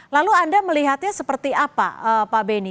lalu anda melihatnya seperti apa pak beni